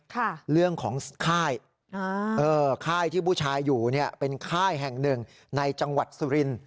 ค่ะเรื่องของค่ายอ่าเออค่ายที่ผู้ชายอยู่เนี่ยเป็นค่ายแห่งหนึ่งในจังหวัดสุรินทร์